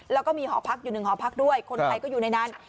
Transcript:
แล้วก็มีหอพักอยู่หนึ่งหอพักด้วยคนไทยก็อยู่ในนั้น